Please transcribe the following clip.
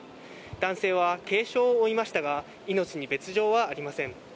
男性は、軽傷を負いましたが、命に別状はありません。